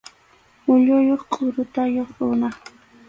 Ulluyuq qʼurutayuq runa.